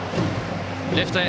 レフトへ。